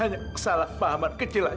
kamu bisa kembali ke rumah